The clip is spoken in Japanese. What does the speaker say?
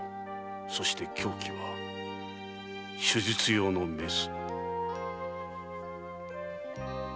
そして凶器は手術用のメス